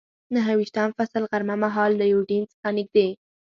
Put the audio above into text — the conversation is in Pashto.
نهه ویشتم فصل، غرمه مهال له یوډین څخه نږدې.